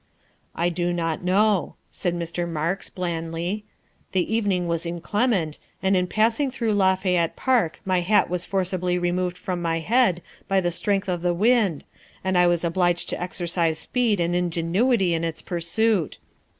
" I do not know," said Mr. Marks blandly. " The evening was inclement, and in passing through Lafay ette Park my hat was forcibly removed from my head by the strength of the wind and I was obliged to exer cise speed and ingenuity in its pursuit.